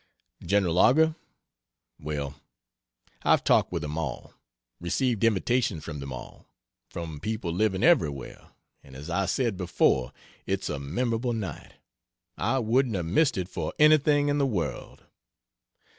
Gen. Augur well, I've talked with them all, received invitations from them all from people living everywhere and as I said before, it's a memorable night. I wouldn't have missed it for anything in the world.